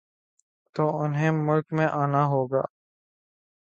تو انہیں ملک میں آنا ہو گا۔